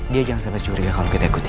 dia jangan sampai curiga kalau kita ikuti